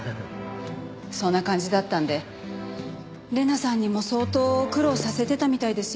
そんな感じだったんで玲奈さんにも相当苦労させてたみたいですよ。